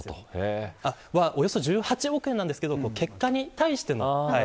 およそ１８億円ですが結果に対しての。